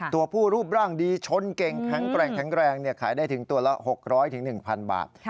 ตัวผู้รูปร่างดีชนเก่งแข็งแกร่งแข็งแรงขายได้ถึงตัวละ๖๐๐๑๐๐บาท